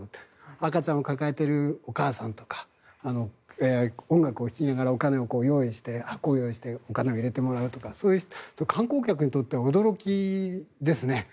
赤ちゃんを抱えているお母さんとか音楽を聴きながら箱を用意してお金を入れてもらうとか観光客にとっては驚きですね。